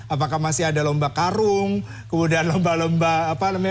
apakah masih ada lomba karung kemudian lomba lomba apa namanya